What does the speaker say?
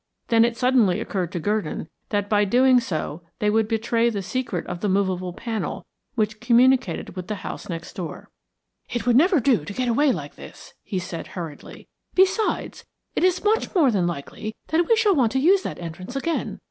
Then it suddenly occurred to Gurdon that by so doing they would betray the secret of the moveable panel which communicated with the house next door. "It would never do to go away like this," he said, hurriedly. "Besides, it is more than likely that we shall want to use that entrance again.